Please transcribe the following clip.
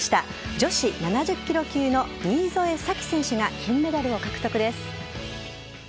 女子７０ｋｇ級の新添左季選手が金メダルを獲得です。